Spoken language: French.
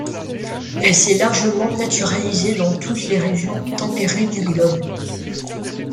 Elle s'est largement naturalisée dans toutes les régions tempérées du globe.